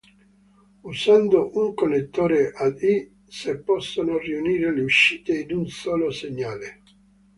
Usando un connettore ad Y, si possono riunire le uscite in un solo segnale.